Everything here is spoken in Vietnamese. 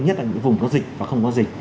nhất là những vùng có dịch và không có dịch